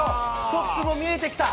トップも見えてきた。